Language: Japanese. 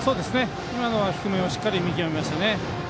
今のは低めをしっかり見極めましたね。